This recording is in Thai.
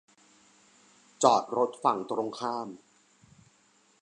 จอดรถฝั่งตรงข้าม